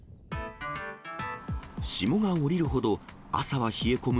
霜が降りるほど朝は冷え込む